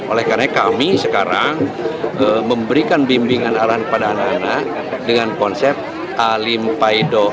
oleh karena kami sekarang memberikan bimbingan arahan kepada anak anak dengan konsep alim paido